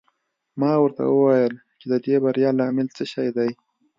ما ورته وویل چې د دې د بریا لامل څه شی دی.